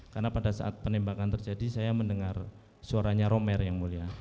karena pada saat penembakan terjadi saya mendengar suaranya romer yang mulia